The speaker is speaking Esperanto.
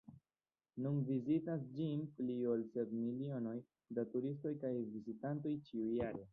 Nun vizitas ĝin pli ol sep milionoj da turistoj kaj vizitantoj ĉiujare.